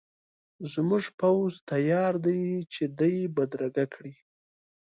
زموږ پوځ تیار دی چې دی بدرګه کړي.